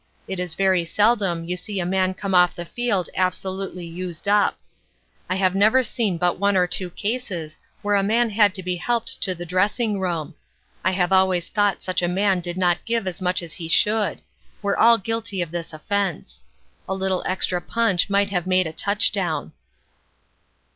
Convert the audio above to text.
It is very seldom you see a man come off the field absolutely used up. I have never seen but one or two cases where a man had to be helped to the dressing room. I have always thought such a man did not give as much as he should, we're all guilty of this offense. A little extra punch might have made a touchdown."